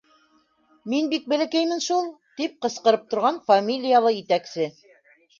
«Мин бик бәләкәймен шул!» тип ҡысҡырып торған фамилиялы етәксе.